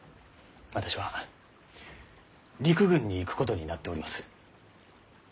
私は陸軍に行くことになっております。